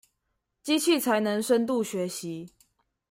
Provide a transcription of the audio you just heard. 機器才能深度學習